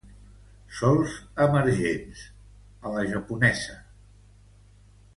Sols emergents, a la japonesa.